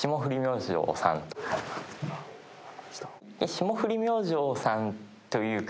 霜降り明星さんというか。